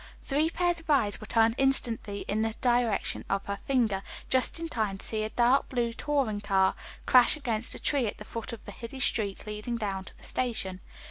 Three pairs of eyes were turned instantly in the direction of her finger, just in time to see a dark blue touring car crash against a tree at the foot of the hilly street leading down to the station.